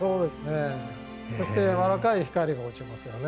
やわらかい光が落ちますよね。